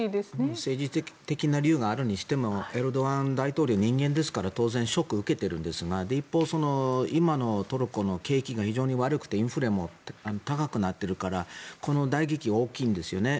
政治的な理由があるにしてもエルドアン大統領は人間ですから当然ショックを受けているんですが一方、今のトルコの景気が非常に悪くてインフレも高くなっているからこの打撃は大きいんですよね。